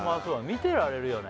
見てられるよね